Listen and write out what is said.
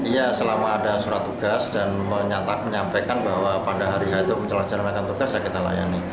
iya selama ada surat tugas dan menyatakan bahwa pada hari itu menjelajahkan tugasnya kita layani